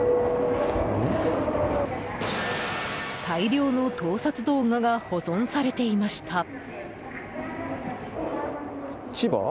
大量の盗撮動画が保存されていました。